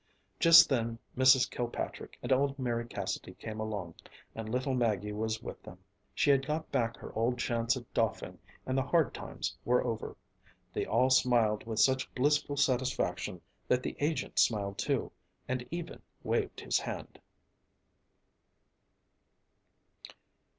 Just then Mrs. Kilpatrick and old Mary Cassidy came along, and little Maggie was with them. She had got back her old chance at doffing and the hard times were over. They all smiled with such blissful satisfaction that the agent smiled too, and even waved his hand.